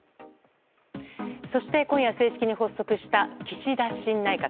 そして今夜正式に発足した岸田新内閣。